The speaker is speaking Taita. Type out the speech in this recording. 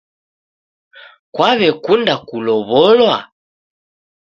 Kwakunde kulow'olwa?